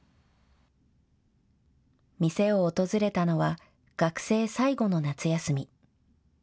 店を訪れたのは学生最後の夏休み。